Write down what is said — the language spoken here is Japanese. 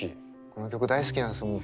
この曲大好きなんですよ